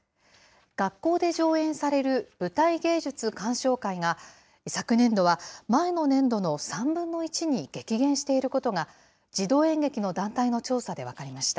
学校で上演される舞台芸術鑑賞会が、昨年度は前の年度の３分の１に激減していることが、児童演劇の団体の調査で分かりました。